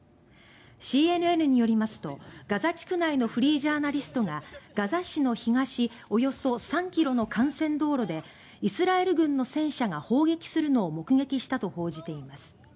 ＣＮＮによりますとガザ地区内のフリージャーナリストがガザ市の東およそ３ｋｍの幹線道路でイスラエル軍の戦車が砲撃するのを目撃したと報じています。